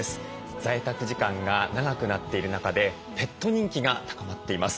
在宅時間が長くなっている中でペット人気が高まっています。